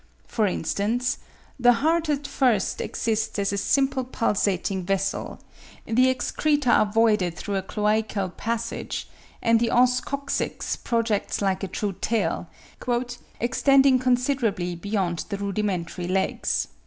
For instance, the heart at first exists as a simple pulsating vessel; the excreta are voided through a cloacal passage; and the os coccyx projects like a true tail, "extending considerably beyond the rudimentary legs."